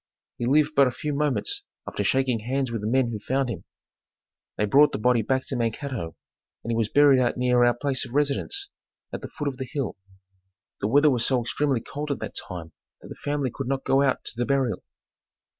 He lived but a few moments after shaking hands with the men who found him. They brought the body back to Mankato and he was buried out near our place of residence, at the foot of the hill. The weather was so extremely cold at that time that the family could not go out to the burial.